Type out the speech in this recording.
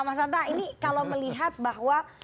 mas santa ini kalau melihat bahwa